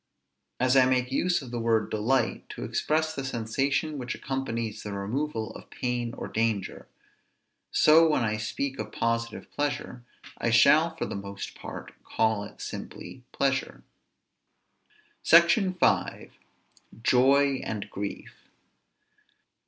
As I make use of the word delight to express the sensation which accompanies the removal of pain or danger, so, when I speak of positive pleasure, I shall for the most part call it simply pleasure. SECTION V. JOY AND GRIEF.